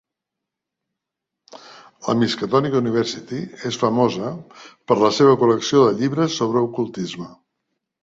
La Miskatonic University és famosa per la seva col·lecció de llibres sobre ocultisme.